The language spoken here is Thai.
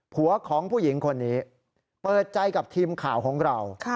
หัวของผู้หญิงคนนี้เปิดใจกับทีมข่าวของเรา